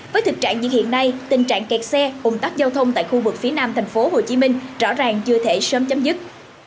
với thực trạng diễn hiện này tình trạng kẹt xe ủng tắc giao thông tại khu vực phía nam thành phố hồ chí minh rõ ràng chưa thể sớm chấm dứt